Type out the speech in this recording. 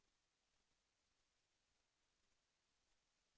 แสวได้ไงของเราก็เชียนนักอยู่ค่ะเป็นผู้ร่วมงานที่ดีมาก